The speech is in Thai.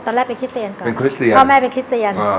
ตอนแรกเป็นคริสเตียนก่อนเป็นคริสเตียนพ่อแม่เป็นคริสเตียน